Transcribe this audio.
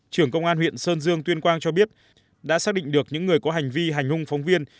trưởng công an huyện sơn dương tuyên quang cho biết đã xác định được những người có hành vi hành hung phóng viên